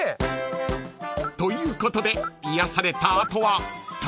［ということで癒やされた後は対決へ］